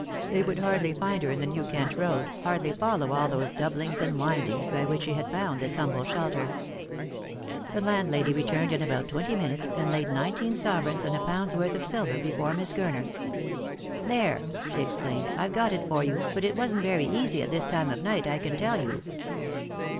They would hardly find her in the New Kent road, hardly follow all those doublings and windings by which she had found this humble shelter. The landlady returned in about twenty minutes, and laid nineteen sovereigns and a pound's worth of silver before Miss Gurner. " There," she exclaimed, " I've got it for you, but it wasn't very easy at this time of night, I can tell you."